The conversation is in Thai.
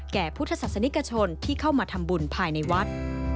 พุทธศาสนิกชนที่เข้ามาทำบุญภายในวัด